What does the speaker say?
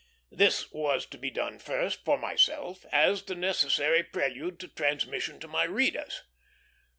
This was to be done first, for myself, as the necessary prelude to transmission to my readers.